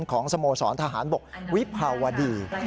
ของสโมสรทหารบกวิภาวดี